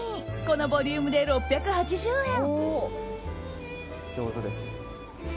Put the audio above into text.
このボリュームで６８０円。